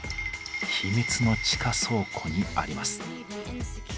ヒミツの地下倉庫にあります。